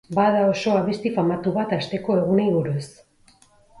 Bada oso abesti famatu bat asteko egunei buruz